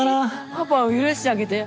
パパを許してあげて。